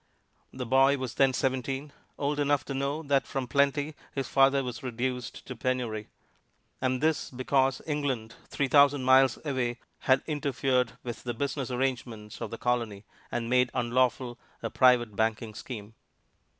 The boy was then seventeen; old enough to know that from plenty his father was reduced to penury, and this because England, three thousand miles away, had interfered with the business arrangements of the Colony, and made unlawful a private banking scheme.